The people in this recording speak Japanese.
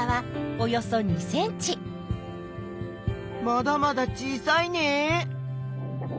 まだまだ小さいね。